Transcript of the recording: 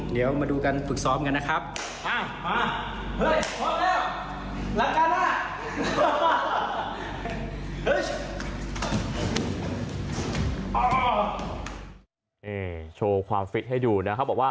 เดี๋ยวมาดูกันฝึกซ้อมกันนะครับ